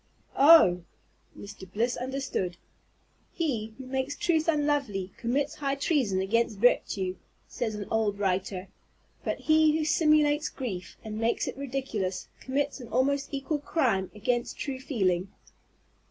"Oh!" Mr. Bliss understood. "He who makes truth unlovely commits high treason against virtue," says an old writer; but he who simulates grief, and makes it ridiculous, commits an almost equal crime against true feeling.